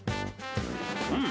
うん！